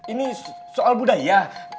ini soal budaya